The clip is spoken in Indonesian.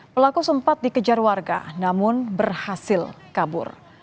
pelaku sempat dikejar warga namun berhasil kabur